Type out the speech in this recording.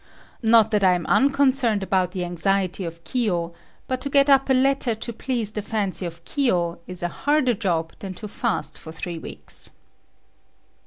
Not that I am unconcerned about the anxiety of Kiyo, but to get up a letter to please the fancy of Kiyo is a harder job than to fast for three weeks.